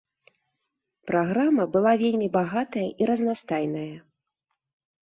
Праграма была вельмі багатая і разнастайная.